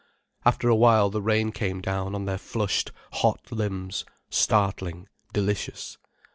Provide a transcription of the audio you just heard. ] After awhile the rain came down on their flushed, hot limbs, startling, delicious.